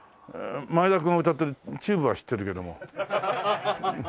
前田君が歌ってるＴＵＢＥは知ってるけども。